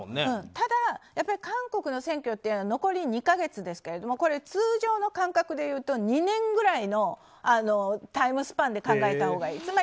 ただ、韓国の選挙は残り２か月ですけど通常の感覚でいうと２年ぐらいのタイムスパンで考えたほうがいい。